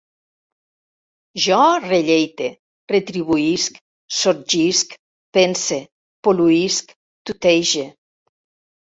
Jo relleite, retribuïsc, sorgisc, pense, pol·luïsc, tutege